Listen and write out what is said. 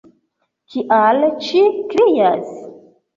Kial ci krias?